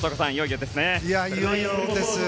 いよいよですね。